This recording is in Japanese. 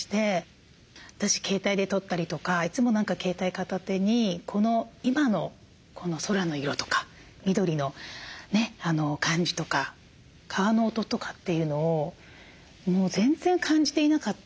私携帯で撮ったりとかいつも何か携帯片手にこの今のこの空の色とか緑のね感じとか川の音とかっていうのをもう全然感じていなかったなって。